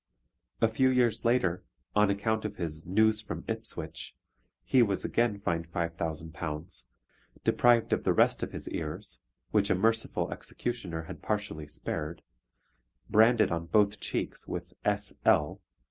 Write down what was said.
A few years later, on account of his News from Ipswich, he was again fined £5,000, deprived of the rest of his ears, which a merciful executioner had partially spared, branded on both cheeks with S.L.